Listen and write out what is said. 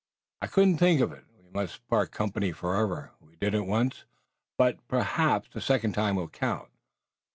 "I couldn't think of it. We must part company forever. We did it once, but perhaps the second time will count."